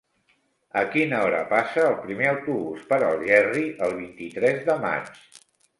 A quina hora passa el primer autobús per Algerri el vint-i-tres de maig?